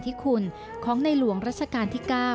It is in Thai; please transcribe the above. ที่คุณของในหลวงรัชกาลที่๙